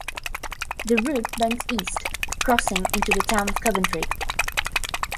The route bends east, crossing into the town of Coventry.